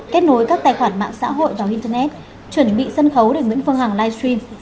kết nối các tài khoản mạng xã hội vào internet chuẩn bị sân khấu để nguyễn phương hằng livestream